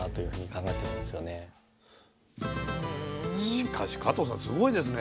しかし加藤さんすごいですね。